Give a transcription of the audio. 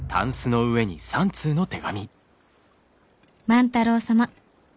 「万太郎様